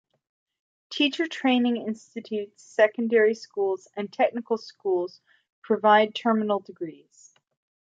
Teacher training institutes, secondary schools, and technical schools provide terminal degrees.